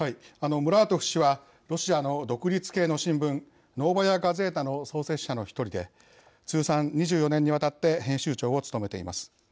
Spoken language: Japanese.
ムラートフ氏はロシアの独立系の新聞「ノーバヤ・ガゼータ」の創設者の１人で通算２４年にわたって編集長を務めています。